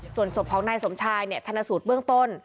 ส่วนศพของนายสมชายชนะสูตรเบื้องต้น